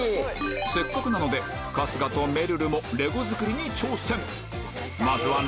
せっかくなので春日とめるるもレゴ作りに挑戦